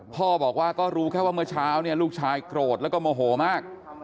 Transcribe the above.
พ่อบอกว่าก็รู้แค่ว่าเมื่อเช้าเนี่ยลูกชายโกรธแล้วก็โมโหมาก